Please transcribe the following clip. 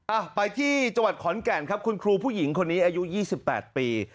อ่ะไปที่จังหวัดขอนแก่นครับคุณครูผู้หญิงคนนี้อายุ๒๘ปี